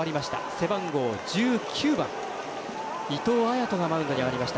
背番号１９番、伊藤彩斗がマウンドに上がりました。